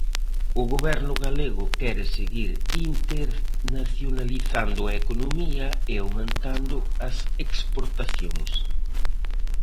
O Goberno galego quere seguir internacionalizando a economía e aumentando as exportacións.